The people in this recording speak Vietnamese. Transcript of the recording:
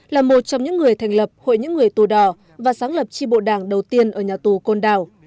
là một trong những người thành lập hội những người tù đỏ và sáng lập tri bộ đảng đầu tiên ở nhà tù côn đảo